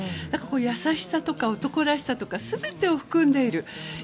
優しさとか男らしさ全てを含んでいる。